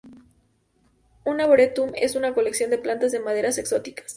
Un arboretum es una colección de plantas de maderas exóticas.